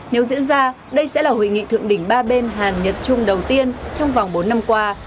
nếu diễn ra đây sẽ là hội nghị thượng đỉnh ba bên hàn nhật trung đầu tiên trong vòng bốn năm qua